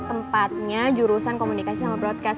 tempatnya jurusan komunikasi sama broadcast